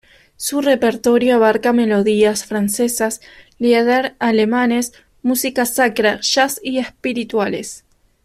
Su repertorio abarca melodías francesas, lieder alemanes, música sacra, jazz y espirituales.